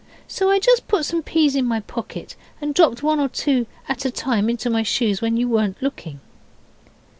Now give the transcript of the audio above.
So I just put some peas in my pocket and dropped one or two at a time into my shoes when you weren't looking.